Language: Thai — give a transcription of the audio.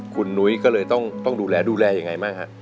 คุณนุ้ยก็เลยต้องดูแลดูแลยังไงบ้างฮะ